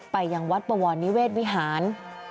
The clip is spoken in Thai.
ไปยังวัดบวรนิเวศวิหาร